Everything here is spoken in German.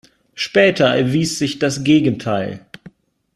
Später erwies sich das Gegenteil.